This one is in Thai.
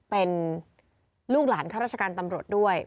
เป็นลูกหลานข้าราชการตำรวจด้วย